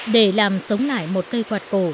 để làm sống lại một cây quạt của mình